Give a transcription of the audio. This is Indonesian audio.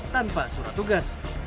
tanpa surat tugas